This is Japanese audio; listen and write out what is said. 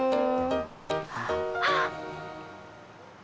あっ！